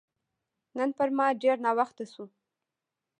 نن پر ما ډېر ناوخته شو